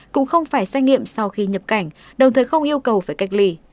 cũng không phải xét nghiệm sau khi nhập cảnh đồng thời không yêu cầu phải cách ly